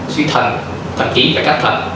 suy thần thần ký và cát thần